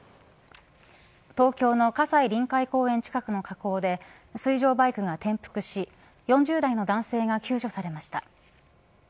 東京の葛西臨海公園近くの河口で水上バイクが転覆し４０代の男性が救助されました。